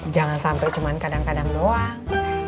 jangan sampai cuma kadang kadang doang